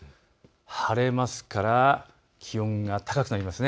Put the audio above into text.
晴れますから気温が高くなります。